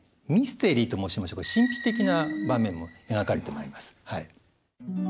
ミステリーと申しましょうか神秘的な場面も描かれてまいります。